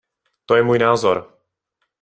To je můj názor.